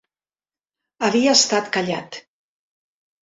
Havia estat callat.